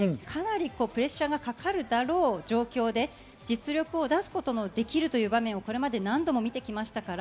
かなりプレッシャーがかかるだろう状況で実力を出すことのできる場面をこれまで何度も見てきました。